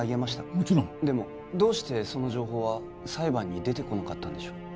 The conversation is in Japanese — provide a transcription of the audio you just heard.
もちろんでもどうしてその情報は裁判に出てこなかったんでしょう？